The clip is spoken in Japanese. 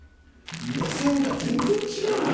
「目線が全然違うやん！」